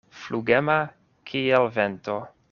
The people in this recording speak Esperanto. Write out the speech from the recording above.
Flugema kiel vento.